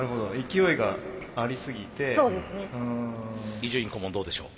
伊集院顧問どうでしょう？